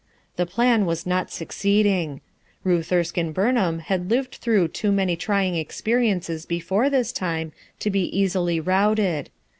The plan was not succeeding. Ruth Erskine Burnham had lived through too many trying experiences before this time to be easily routed.